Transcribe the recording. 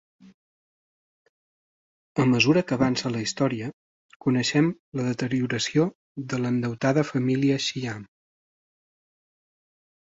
A mesura que avança la història, coneixem la deterioració de l'endeutada família Shyam.